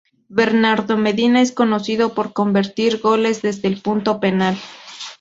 Bernardo Medina es conocido por convertir goles desde el punto penal.